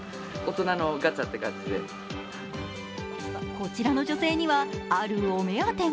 こちらの女性には、あるお目当てが。